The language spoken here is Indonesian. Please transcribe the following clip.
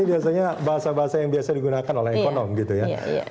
biasanya bahasa bahasa yang biasa digunakan oleh ekonom gitu ya